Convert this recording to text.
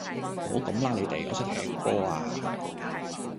唔好咁啦你哋，我想踢波呀